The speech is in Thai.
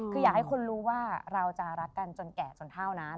คืออยากให้คนรู้ว่าเราจะรักกันจนแก่จนเท่านั้น